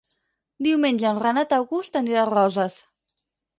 Diumenge en Renat August anirà a Roses.